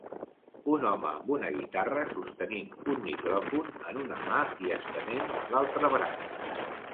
Un home amb una guitarra sostenint un micròfon en una mà i estenent l'altre braç.